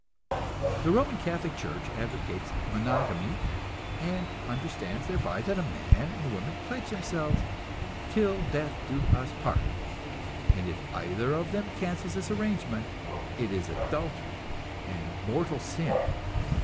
The Roman Catholic church advocates "monogamy," and understands thereby that a man and woman pledge themselves "till death do us part," and if either of them cancels this arrangement it is adultery and mortal sin.